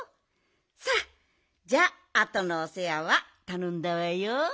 さあじゃああとのおせわはたのんだわよ。